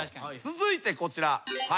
続いてこちら。